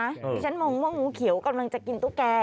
ที่ฉันมองว่างูเขียวกำลังจะกินตุ๊กแก่